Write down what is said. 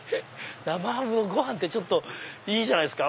生ハムのご飯ってちょっといいじゃないですか。